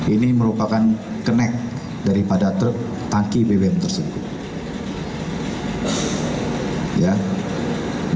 ini merupakan kenek daripada truk tangki bbm tersebut